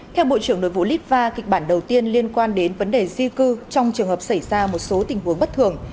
theo bộ trưởng nội vụ litva kịch bản đầu tiên liên quan đến vấn đề di cư trong trường hợp xảy ra một số tình huống bất thường